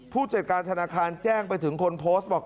ผู้จัดการธนาคารแจ้งไปถึงคนโพสต์บอก